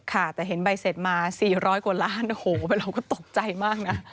ค่ะแต่เห็นใบเสร็จมา๔๐๐กว่าล้านโอ้โหเราก็ตกใจมากนะ